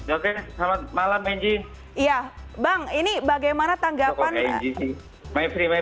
oke selamat malam menji